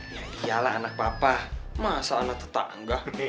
ya iyalah anak papa masa anak tetangga